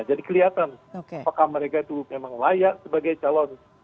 jadi kelihatan apakah mereka itu memang layak sebagai calon